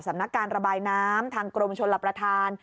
สำนักการระบายน้ำทางกรมชนรับประทาน